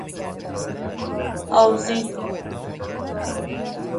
آوزین